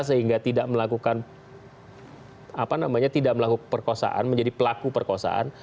sehingga tidak melakukan perkosaan menjadi pelaku perkosaan